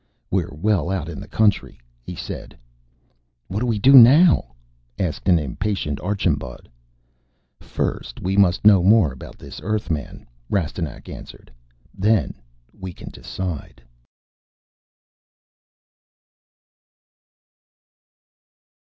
"We're well out in the country," he said. "What do we do now?" asked impatient Archambaud. "First we must know more about this Earthman," Rastignac answered. "Then we can decide."